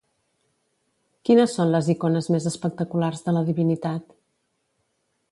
Quines són les icones més espectaculars de la divinitat?